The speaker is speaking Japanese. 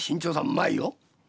うまいよ。